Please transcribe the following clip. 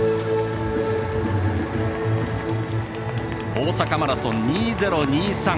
大阪マラソン２０２３。